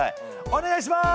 お願いします！